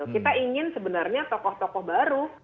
kita ingin sebenarnya tokoh tokoh baru